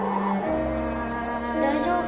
大丈夫？